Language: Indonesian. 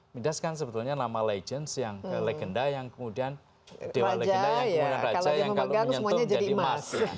midas kan sebetulnya nama legends yang legenda yang kemudian dewa legenda yang kemudian raja yang kalau menyentuh menjadi emas